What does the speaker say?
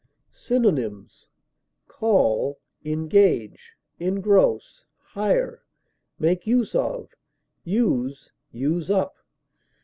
Synonyms: call, engage, engross, hire, make use of, use, use up.